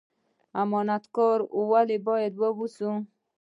امانت کاره ولې باید اوسو؟